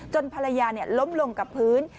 ภรรยาล้มลงกับพื้น